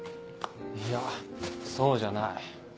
いやそうじゃない。